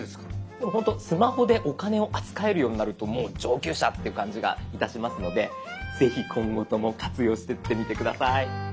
でもほんとスマホでお金を扱えるようになるともう上級者っていう感じがいたしますのでぜひ今後とも活用してってみて下さい。